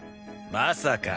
まさか。